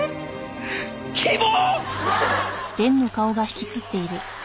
希望！？